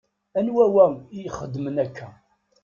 Anwa wa i ixedmen akka?